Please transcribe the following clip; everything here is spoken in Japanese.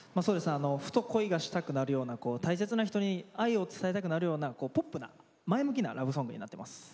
ふと恋がしたくなるような大切な人に愛を伝えたくなるようなポップな前向きなラブソングになっています。